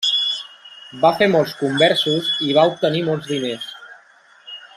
Va fer molts conversos i va obtenir molts diners.